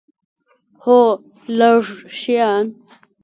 هو، لږ شیان